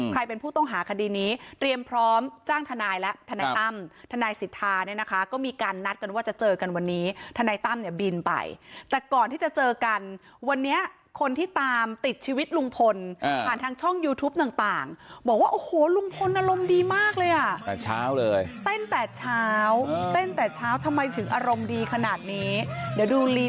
เป็นผู้ต้องหาคดีนี้เตรียมพร้อมจ้างทนายและทนายตั้มทนายสิทธาเนี่ยนะคะก็มีการนัดกันว่าจะเจอกันวันนี้ทนายตั้มเนี่ยบินไปแต่ก่อนที่จะเจอกันวันนี้คนที่ตามติดชีวิตลุงพลผ่านทางช่องยูทูปต่างบอกว่าโอ้โหลุงพลอารมณ์ดีมากเลยอ่ะแต่เช้าเลยเต้นแต่เช้าเต้นแต่เช้าทำไมถึงอารมณ์ดีขนาดนี้เดี๋ยวดูลี